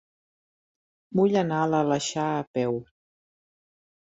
Vull anar a l'Aleixar a peu.